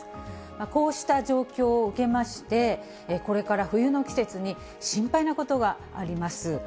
こうした状況を受けまして、これから冬の季節に心配なことがあります。